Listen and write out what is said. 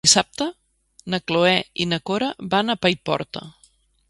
Dissabte na Cloè i na Cora van a Paiporta.